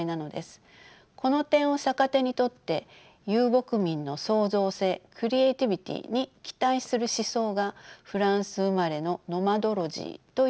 この点を逆手にとって遊牧民の創造性クリエイティビティーに期待する思想がフランス生まれの「ノマドロジー」という哲学です。